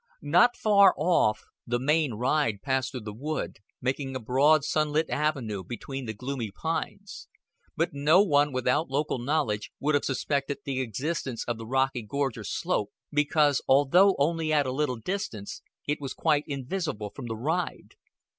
Not far off, the main ride passed through the wood, making a broad sunlit avenue between the gloomy pines; but no one without local knowledge would have suspected the existence of the rocky gorge or slope, because, although only at a little distance, it was quite invisible from the ride.